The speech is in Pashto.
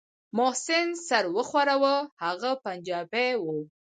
محسن سر وښوراوه هغه پنجابى و.